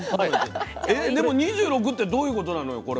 えっでも２６ってどういうことなのよ